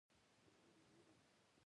سرچینې ارزښتناکې دي.